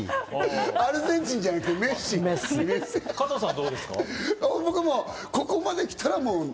アルゼンチンじゃなくて、加藤さんは？